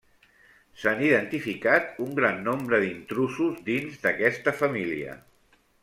S'han identificat un gran nombre d'intrusos dins d'aquesta família.